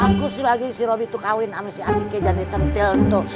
bagus lagi si robi tuh kawin sama si adi kejane centil tuh